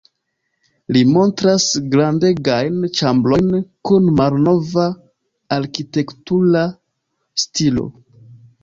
Ili montras grandegajn ĉambrojn kun malnova arkitektura stilo.